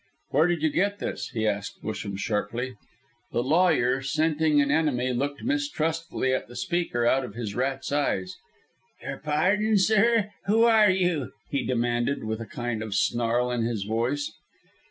"Where did you get this?" he asked Busham, sharply. The lawyer, scenting an enemy, looked mistrustfully at the speaker out of his rat's eyes. "Your pardon, sir, who are you?" he demanded, with a kind of snarl in his voice.